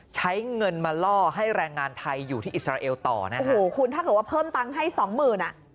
ใช้เงินมาล่อให้แรงงานไทยอยู่ที่อิสราเอลต่อนะโอ้โหคุณถ้าเกิดว่าเพิ่มตังค์ให้สองหมื่นอ่ะ